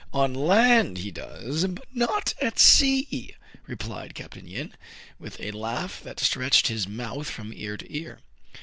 "On land he does, but not on sea," replied Capt. Yin, with a laugh that stretched his mouth from ear to ear.